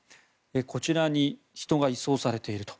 こちらに人が移送されていると。